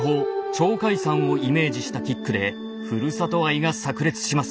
鳥海山をイメージしたキックでふるさと愛がさく裂します。